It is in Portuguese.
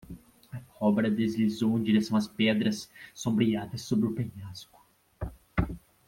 A cobra deslizou em direção às pedras sombreadas sob o penhasco.